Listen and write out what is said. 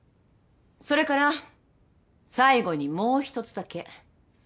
それから最後にもう一つだけ。